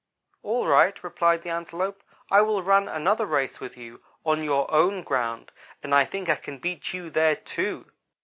"'All right,' replied the Antelope, 'I will run another race with you on your own ground, and I think I can beat you there, too.'